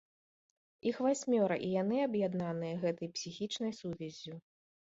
Іх васьмёра, і яны аб'яднаныя гэтай псіхічнай сувяззю.